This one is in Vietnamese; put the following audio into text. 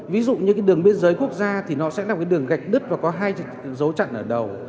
ví dụ như đường biên giới quốc gia thì nó sẽ là đường gạch đứt và có hai dấu chặn ở đầu